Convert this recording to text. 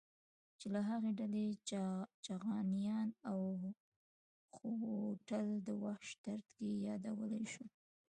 چې له هغې ډلې چغانيان او خوتل د وخش دره کې يادولی شو.